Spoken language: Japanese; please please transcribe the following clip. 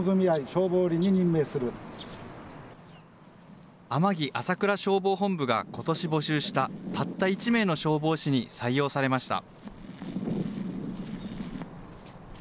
消防本部がことし募集した、たった１名の消防士に採用されました。